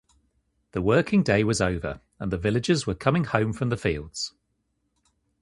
The working day was over, and the villagers were coming home from the fields.